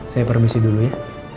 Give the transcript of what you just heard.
saya permisi dulu ya